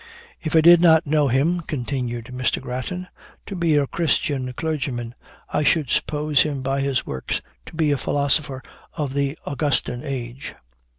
If I did not know him (continued Mr. Grattan) to be a Christian clergyman, I should suppose him by his works to be a philosopher of the Augustine age.